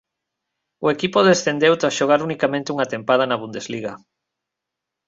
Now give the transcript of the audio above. O equipo descendeu tras xogar unicamente unha tempada na Bundesliga.